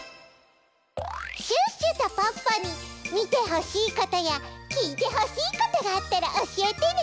シュッシュとポッポにみてほしいことやきいてほしいことがあったらおしえてね！